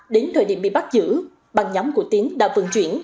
đến thời điểm bị bắt giữ băng nhóm của tiến đã vận chuyển